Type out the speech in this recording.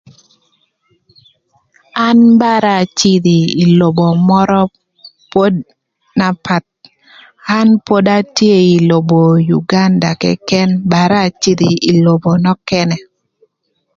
An bara acïdhö ï lobo mörö pod na path, an pod atye ï lobo Uganda këkën bara acïdhö ï lobo nökënë